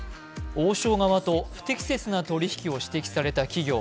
王将側と不適切な取引を指摘された企業。